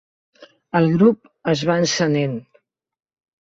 El grup es va encenent.